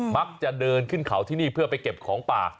มักจะเดินขึ้นเขาที่นี่เพื่อไปเก็บของป่า